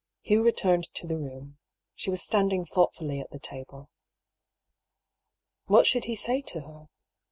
Hugh returned to. the room. She was standing thoughtfully at the table. What should he say to her